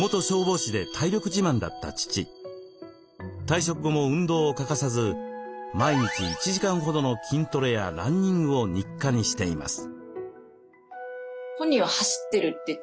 退職後も運動を欠かさず毎日１時間ほどの筋トレやランニングを日課にしています。